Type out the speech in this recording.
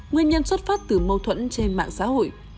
nguyên nhân xuất phát từ mâu thuẫn trên mạng xã hội